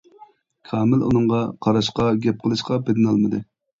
كامىل ئۇنىڭغا قاراشقا، گەپ قىلىشقا پېتىنالمىدى.